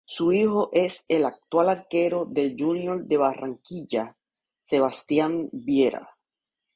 Su hijo es el actual arquero del Junior de Barranquilla, Sebastian Viera.